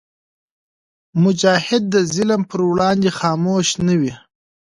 مجاهد د ظلم پر وړاندې خاموش نه وي.